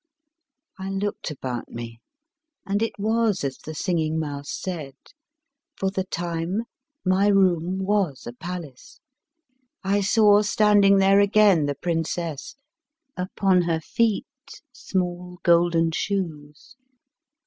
I looked about me, and it was as the Singing Mouse said. For the time my room was a palace. I saw standing there again the princess, upon her feet small golden shoes.